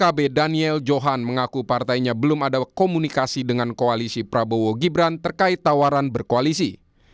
pkb daniel johan mengaku partainya belum ada komunikasi dengan koalisi prabowo gibran terkait tawaran berkoalisi